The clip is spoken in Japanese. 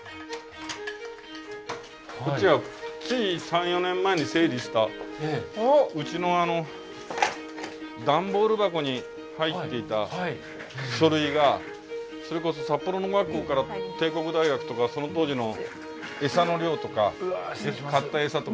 こっちはつい３４年前に整理したうちの段ボール箱に入っていた書類がそれこそ札幌農学校から帝国大学とかその当時のエサの量とか買ったエサとか。